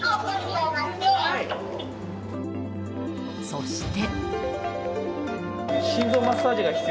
そして。